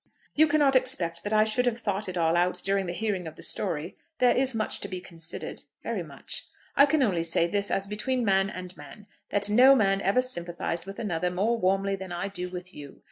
"You cannot expect that I should have thought it all out during the hearing of the story. There is much to be considered; very much. I can only say this, as between man and man, that no man ever sympathized with another more warmly than I do with you.